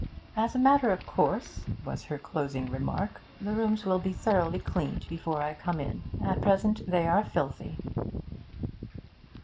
'As a matter of course,' was her closing remark, 'the rooms will be thoroughly cleaned before I come in. At present they are filthy.'